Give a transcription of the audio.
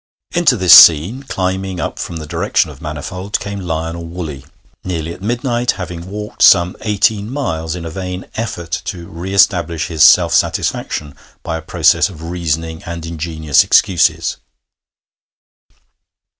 Into this scene, climbing up from the direction of Manifold, came Lionel Woolley, nearly at midnight, having walked some eighteen miles in a vain effort to re establish his self satisfaction by a process of reasoning and ingenious excuses.